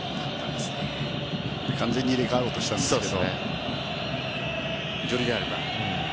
完全に入れ替わろうとしたんですけど。